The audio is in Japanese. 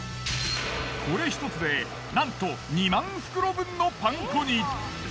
これ１つでなんと２万袋分のパン粉に。